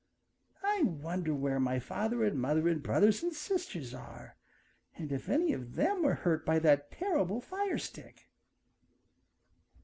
I wonder where my father and mother and brothers and sisters are and if any of them were hurt by that terrible fire stick."